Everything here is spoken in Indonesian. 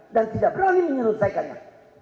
dan tidak berani menyelesaikannya